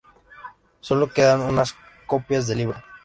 Sólo quedan unas copias del libro.